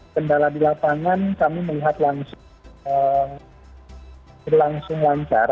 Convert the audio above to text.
kendala di lapangan kami melihat langsung berlangsung lancar